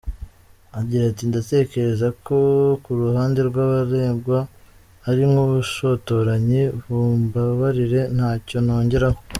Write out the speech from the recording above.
Agira ati “Ndatekereza ko ku ruhande rw’abaregwa ari nk’ubushotoranyi, mumbabarire ntacyo nongeraho”.